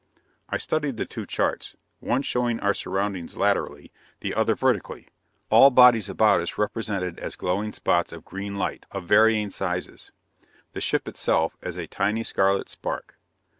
I studied the two charts, one showing our surroundings laterally, the other vertically, all bodies about us represented as glowing spots of green light, of varying sizes; the ship itself as a tiny scarlet spark.